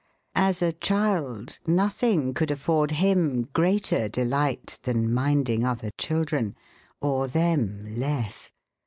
As a child nothing could afford him greater delight than "minding" other children, or them less.